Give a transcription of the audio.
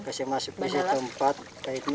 kasih masuk di tempat